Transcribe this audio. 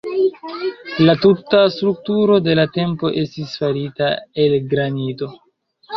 La tuta strukturo de la templo estis farita el granito.